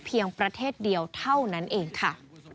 ประเทศเดียวเท่านั้นเองค่ะ